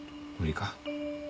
無理か。